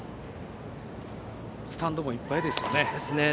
スタンドもいっぱいですね。